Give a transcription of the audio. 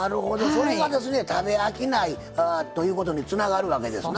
それがですね食べ飽きないということにつながるわけですな。